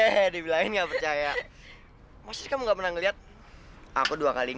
hahaha hahaha iya lebih lain nggak percaya masih kamu nggak pernah ngelihat aku dua kali